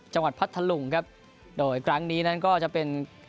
พัทธลุงครับโดยครั้งนี้นั้นก็จะเป็น